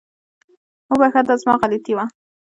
وبخښه، دا زما غلطي وه